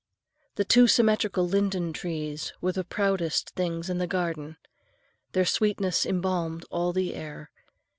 The two symmetrical linden trees were the proudest things in the garden. Their sweetness embalmed all the air.